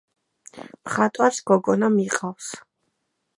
მხატვარს გოგონა მიყავს.